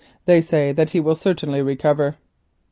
They say that he will certainly recover."